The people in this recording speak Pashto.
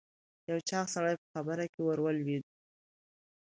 یو چاغ سړی په خبره کې ور ولوېد.